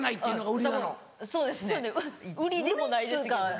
売りでもないですけどね。